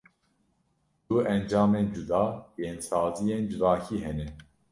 Du encamên cuda yên saziyên civakî hene.